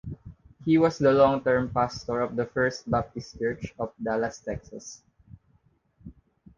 He was the long-term pastor of the First Baptist Church of Dallas, Texas.